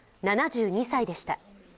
７２歳でした。